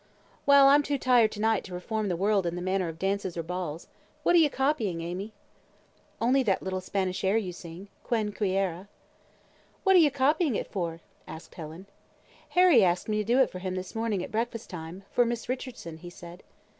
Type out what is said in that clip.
"Well, I'm too tired to night to reform the world in the matter of dances or balls. What are you copying, Amy?" "Only that little Spanish air you sing 'Quien quiera.'" "What are you copying it for?" asked Helen. "Harry asked me to do it for him this morning at breakfast time, for Miss Richardson, he said."